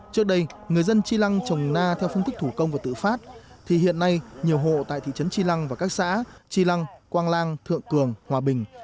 trước đây người dân chi lăng trồng na theo phương thức thủ công và tự phát thì hiện nay nhiều hộ tại thị trấn tri lăng và các xã tri lăng quang lang thượng cường hòa bình